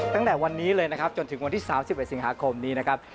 ตั้งแต่วันนี้เลยนะครับจนถึงวันที่๓๑สิงหาคมนี้นะครับ